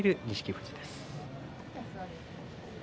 富士です。